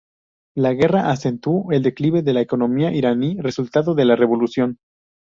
La guerra acentuó el declive de la economía iraní resultado de la revolución.